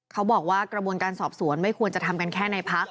เขาบอกว่ากระบวนการสอบสวนไม่ควรจะทำกันแค่ในพัก